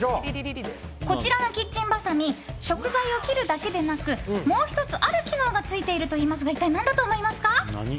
こちらのキッチンばさみ食材を切るだけでなくもう１つ、ある機能がついているといいますが一体何だと思いますか？